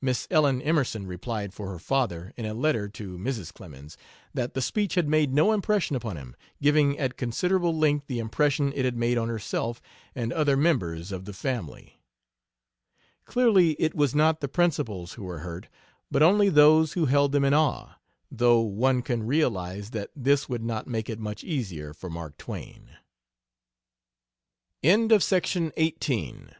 Miss Ellen Emerson replied for her father (in a letter to Mrs. Clemens) that the speech had made no impression upon him, giving at considerable length the impression it had made on herself and other members of the family. Clearly, it was not the principals who were hurt, but only those who held them in awe, though one can realize that this would not make it much easier for Mark Twain. XVIII. LETTERS FROM EUROPE, 1878 79. TRAMPING WITH TWICHELL.